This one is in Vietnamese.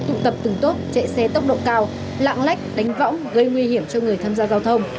tụ tập từng tốt chạy xe tốc độ cao lạng lách đánh võng gây nguy hiểm cho người tham gia giao thông